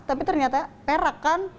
tapi ternyata perak kan